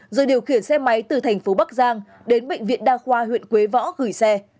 rồi điều khiển xe máy từ thành phố bắc giang đến bệnh viện đa khoa huyện quế võ gửi xe